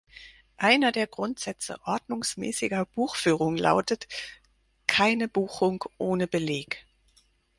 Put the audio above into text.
Einer der Grundsätze ordnungsmäßiger Buchführung lautet: „Keine Buchung ohne Beleg“.